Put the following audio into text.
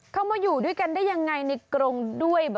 เขามาอยู่ด้วยกันได้ยังไงในกรงด้วย